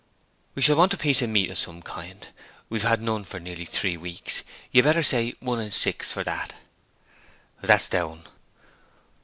'We shall want a piece of meat of some kind; we've had none for nearly three weeks. You'd better say one and six for that.' 'That's down.'